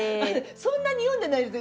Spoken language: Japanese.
そんなに詠んでないですよ。